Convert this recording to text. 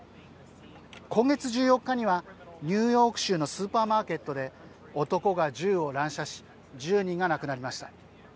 今月１４日にはニューヨーク州のスーパーマーケットで男が銃を乱射し１０人が亡くなりました。